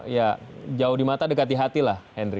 ya jauh di mata dekat di hati lah henry